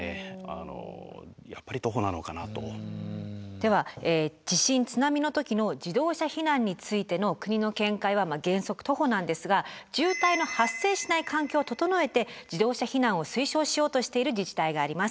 では地震津波の時の自動車避難についての国の見解は原則徒歩なんですが渋滞の発生しない環境を整えて自動車避難を推奨しようとしている自治体があります。